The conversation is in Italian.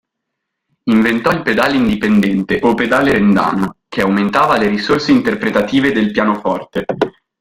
Inventò il "pedale indipendente", o "pedale Rendano", che aumentava le risorse interpretative del pianoforte.